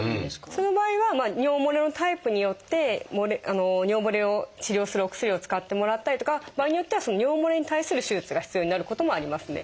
その場合はまあ尿もれのタイプによって尿もれを治療するお薬を使ってもらったりとか場合によっては尿もれに対する手術が必要になることもありますね。